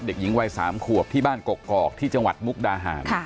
เด็กหญิงวัย๓ขวบที่บ้านกกอกที่จังหวัดมุกดาหาร